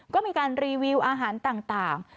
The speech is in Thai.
ก็มีการรีวิวอาหารต่าง